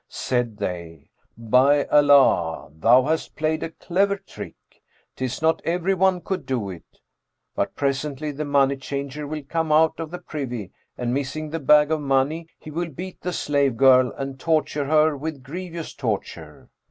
Said they, "By Allah, thou hast played a clever trick! ''tis not every one could do it; but, presently the money changer will come out of the privy; and missing the bag of money, he will beat the slave girl and torture her with grievous torture.